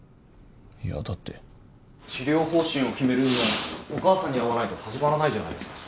いやだって治療方針を決めるにはお母さんに会わないと始まらないじゃないですか。